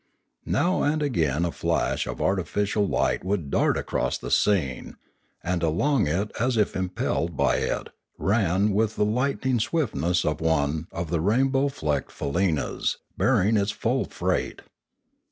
Now and again a flash of arti ficial light would dart across the scene, and along it, as if impelled by it, ran with lightning swiftness one of the rainbow flecked faleenas, bearing its full freight.